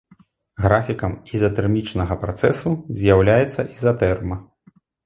Графікам ізатэрмічнага працэсу з'яўляецца ізатэрма.